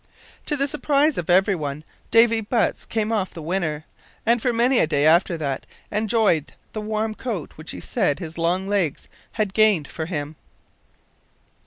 To the surprise of everyone Davy Butts came off the winner, and for many a day after that enjoyed the warm coat which he said his long legs had gained for him.